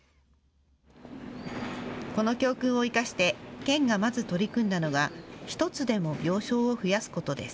この教訓を生かして県がまず取り組んだのが１つでも病床を増やすことです。